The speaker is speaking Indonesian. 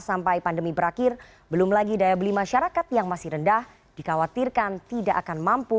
sampai pandemi berakhir belum lagi daya beli masyarakat yang masih rendah dikhawatirkan tidak akan mampu